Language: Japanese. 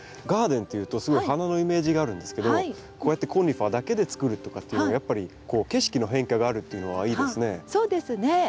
ガーデンっていうとすごい花のイメージがあるんですけどこうやってコニファーだけでつくるとかっていうのもやっぱり景色の変化があるっていうのはいいですね。